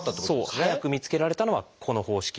早く見つけられたのはこの方式。